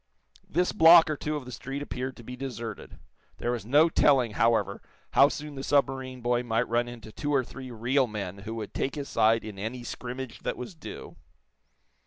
This block or two of the street appeared to be deserted. There was no telling, however, how soon the submarine boy might run into two or three real men who would take his side in any scrimmage that was due.